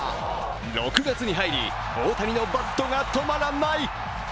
６月に入り、大谷のバットが止まらない。